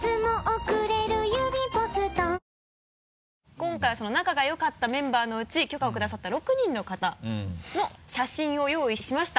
今回はその仲が良かったメンバーのうち許可をくださった６人の方の写真を用意しました。